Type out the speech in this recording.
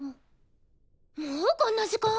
もうこんな時間！？